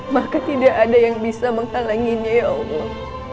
maka tidak ada yang bisa menghalanginya ya allah